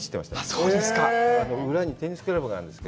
そうですか？